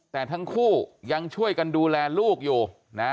แต่ทั้งคู่ยังช่วยกันดูแลลูกอยู่นะ